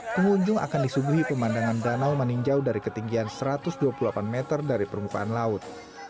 pengunjung akan disuguhi pemandangan danau meninjau dari ketinggian satu ratus dua puluh delapan meter dari permukaan laut